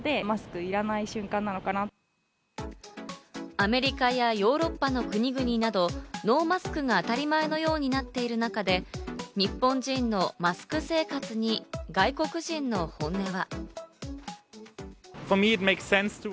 アメリカやヨーロッパの国々など、ノーマスクが当たり前のようになっている中で日本人のマスク生活に外国人の本音は。